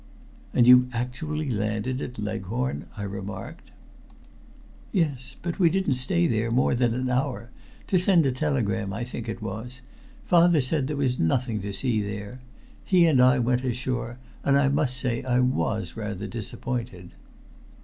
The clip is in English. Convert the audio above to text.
"And you've actually landed at Leghorn!" I remarked. "Yes, but we didn't stay there more than an hour to send a telegram, I think it was. Father said there was nothing to see there. He and I went ashore, and I must say I was rather disappointed."